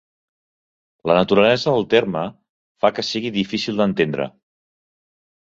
La naturalesa del terme fa que sigui difícil d'entendre.